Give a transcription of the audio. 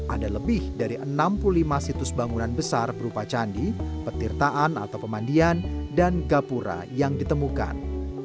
ada lebih dari enam puluh lima situs bangunan besar berupa candi petirtaan atau pemandian dan gapura yang ditemukan